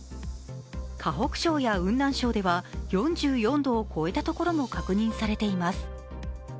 河北省や雲南省では４４度を超えた所も確認されています。